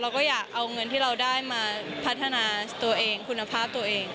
เราก็อยากเอาเงินที่เราได้มาพัฒนาตัวเองคุณภาพตัวเอง